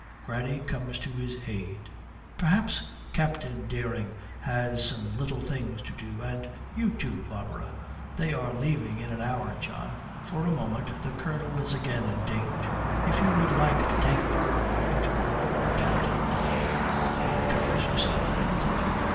Granny comes to his aid. 'Perhaps Captain Dering has some little things to do: and you, too, Barbara. They are leaving in an hour, John.' For a moment the Colonel is again in danger. 'If you would like to take Barbara into the garden, Captain Dering ' He recovers himself instantly.